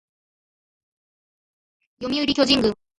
読売巨人軍